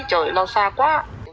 trời lo xa quá